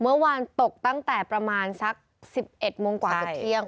เมื่อวานตกตั้งแต่ประมาณสัก๑๑โมงกว่าเกือบเที่ยง